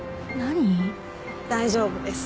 大丈夫です。